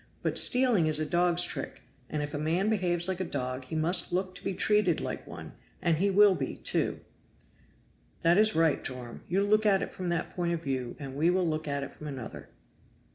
but stealing is a dog's trick, and if a man behaves like a dog he must look to be treated like one; and he will be, too." "That is right, Joram; you look at it from that point of view, and we will look at it from another."